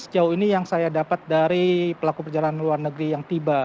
sejauh ini yang saya dapat dari pelaku perjalanan luar negeri yang tiba